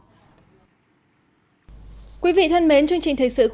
ngoài ra đường hầm la lini cũng rút ngắn thời gian đi lại giữa thủ phủ các bang cali và armenia botoga